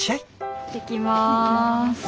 いってきます。